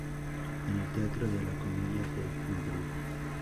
En el Teatro de la Comedia de Madrid.